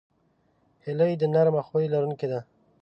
هیلۍ د نرمه خوی لرونکې ده